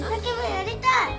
やりたい？